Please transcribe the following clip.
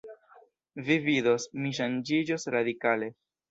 Vi vidos, mi ŝanĝiĝos radikale.